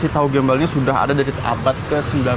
tahu gembalnya sudah ada dari abad ke sembilan belas